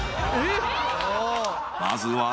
［まずは］